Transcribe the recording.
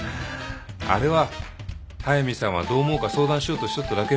あれは速見さんはどう思うか相談しようとしとっただけよ。